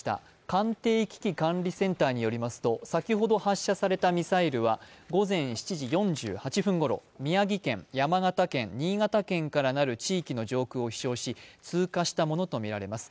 官邸危機管理センターによると先ほど発射されたミサイルは午前７時４８分ごろ、宮城県、山形県、新潟県からなる地域の上空を通過したものとみられます。